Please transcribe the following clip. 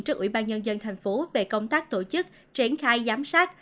trước ủy ban nhân dân thành phố về công tác tổ chức triển khai giám sát